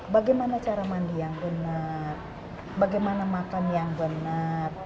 bagaimana cara mandi yang benar bagaimana makan yang benar